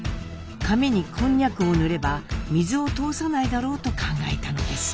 紙にこんにゃくを塗れば水を通さないだろうと考えたのです。